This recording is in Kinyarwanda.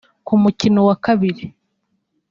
Ku mukino wa kabiri